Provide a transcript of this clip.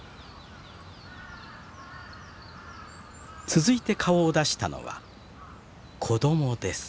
続いて顔を出したのは子供です。